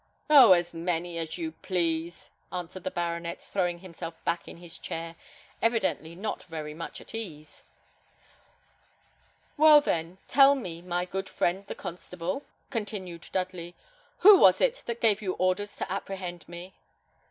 "Oh! as many as you please," answered the baronet, throwing himself back in his chair, evidently not very much at ease. "Well, then, tell me, my good friend the constable," continued Dudley, "who was it that gave you orders to apprehend me?"